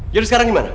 jadi sekarang gimana